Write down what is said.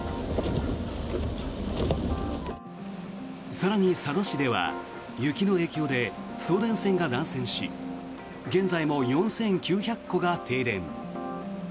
更に、佐渡市では雪の影響で送電線が断線し現在も４９００戸が停電。